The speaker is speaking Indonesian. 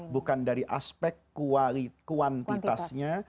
bukan dari aspek kuantitasnya